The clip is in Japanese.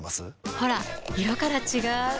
ほら色から違う！